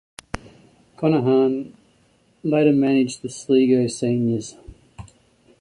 Conaghan later managed the Sligo seniors.